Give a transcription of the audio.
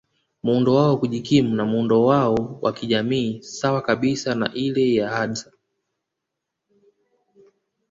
Muundo wao wakujikimu na muundo wao wakijamii sawa kabisa na ile ya Hadza